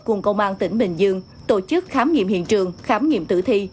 cùng công an tỉnh bình dương tổ chức khám nghiệm hiện trường khám nghiệm tử thi